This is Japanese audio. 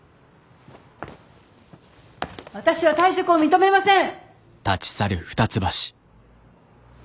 私は退職を認めません。